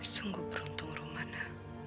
sungguh beruntung romana